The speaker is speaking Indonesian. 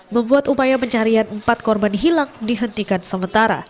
membuat upaya pencarian empat korban hilang dihentikan sementara